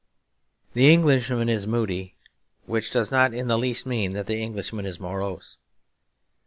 The Englishman is moody; which does not in the least mean that the Englishman is morose.